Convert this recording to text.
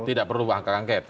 tidak perlu hak angket